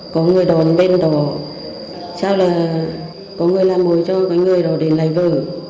có người đò bên đó sao là có người làm mối cho người đó đến lấy vợ